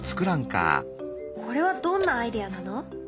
これはどんなアイデアなの？